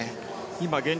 今、現状